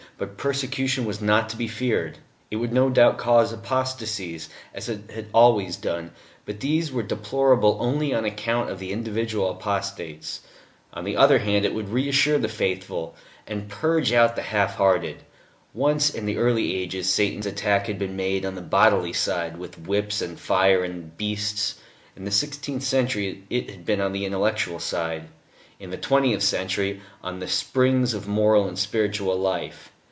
But persecution was not to be feared. It would no doubt cause apostasies, as it had always done, but these were deplorable only on account of the individual apostates. On the other hand, it would reassure the faithful; and purge out the half hearted. Once, in the early ages, Satan's attack had been made on the bodily side, with whips and fire and beasts; in the sixteenth century it had been on the intellectual side; in the twentieth century on the springs of moral and spiritual life.